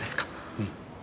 うん。